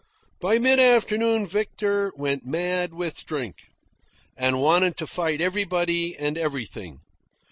By mid afternoon Victor went mad with drink, and wanted to fight everybody and everything.